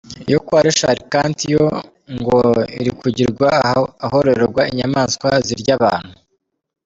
Iyo kwa Richard Kandt yo ngo iri kugirwa ahororerwa inyamaswa zirya abantu